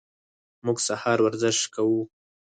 موږ سهار ورزش کوو.